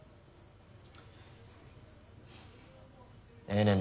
ええねん